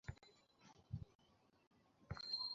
আপনার ও নিবে।